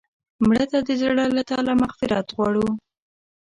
مړه ته د زړه له تله مغفرت غواړو